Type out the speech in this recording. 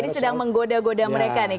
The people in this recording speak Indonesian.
jadi sedang menggoda goda mereka nih